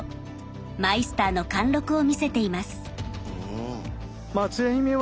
マイスターの貫禄を見せています。